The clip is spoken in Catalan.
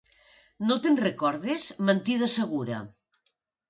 No te'n recordes? Mentida segura.